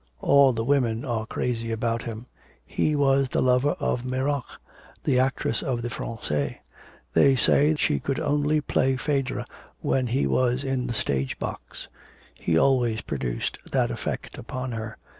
All the women are crazy about him. He was the lover of Merac, the actress of the Francais. They say she could only play Phedre when he was in the stage box. He always produced that effect upon her.